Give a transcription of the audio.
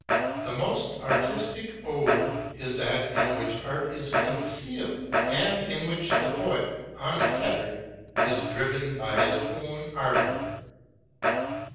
The most artistic ode is that in which art is concealed, and in which the poet, unfettered, is driven by his own ardor.